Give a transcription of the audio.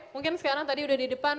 mungkin sekarang tadi udah di depan